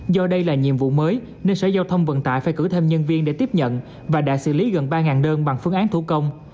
do đây là nhiệm vụ mới nên sở giao thông vận tải phải cử thêm nhân viên để tiếp nhận và đã xử lý gần ba đơn bằng phương án thủ công